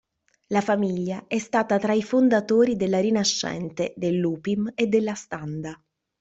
La famiglia è stata tra i fondatori de La Rinascente, dell'Upim e della Standa.